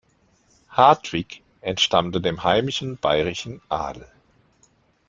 Hartwig entstammte dem heimischen bayerischen Adel.